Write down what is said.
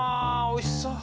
おいしそう。